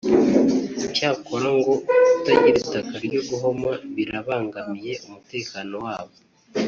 cyakora ngo kutagira itaka ryo guhoma birabangamiye umutekano wabo